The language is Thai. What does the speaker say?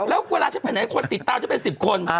แล้วอาชาเนดเห็นคนติดตาวจะเป็นสิบคน